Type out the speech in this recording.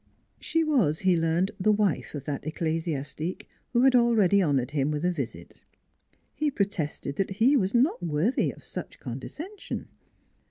She was, he learned, the wife of that ecclesiastique who had already honored him with 204 NEIGHBORS a visit. He protested that he was not worthy of such condescension.